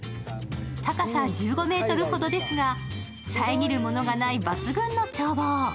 高さ１５ｍほどですが、遮るものがない抜群の眺望。